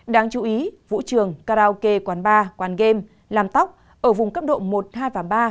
đáng chú ý vũ trường karaoke quán bar quán game làm tóc ở vùng cấp độ một hai và ba